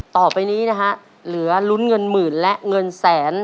ต่อไปนี้นะฮะเหลือลุ้นเงินหมื่นและเงินแสน